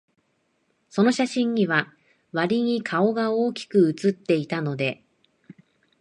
その写真には、わりに顔が大きく写っていたので、